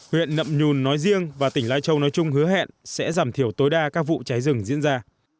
huyện nậm nhùn nói riêng và tỉnh lai châu nói chung hứa hẹn sẽ giảm thiểu tối đa các vụ cháy rừng diễn ra